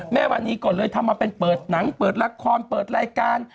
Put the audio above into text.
แม่วันนี้ก่อนเลยทำมาเป็นเปิดหนังเปิดละครเปิดรายการ